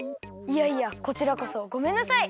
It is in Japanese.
いやいやこちらこそごめんなさい。